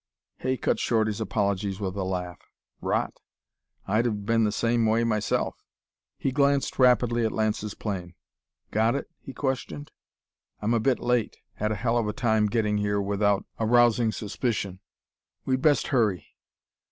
Hay cut short his apologies with a laugh. "Rot! I'd've been the same way myself." He glanced rapidly at Lance's plane. "Got it?" he questioned. "I'm a bit late; had a hell of a time getting here without arousing suspicion. We'd best hurry."